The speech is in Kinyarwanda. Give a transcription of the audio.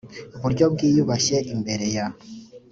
buryo bwiyubashye l imbere ya